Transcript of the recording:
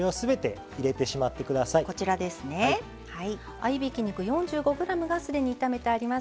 合いびき肉４５ｇが既に炒めてあります。